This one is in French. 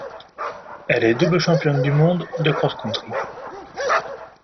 Elle est double championne du monde de cross-country.